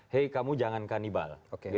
hei kamu jangan kanibal